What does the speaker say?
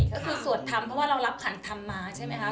ก็คือสวดธรรมเพราะว่าเรารับขันธรรมมาใช่ไหมคะ